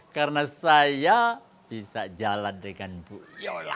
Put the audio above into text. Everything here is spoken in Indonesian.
karena saya bisa jalan dengan bu yola